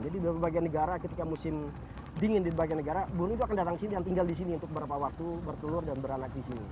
jadi ketika musim dingin di bagian negara burung itu akan datang ke sini dan tinggal di sini untuk beberapa waktu bertulur dan beranak di sini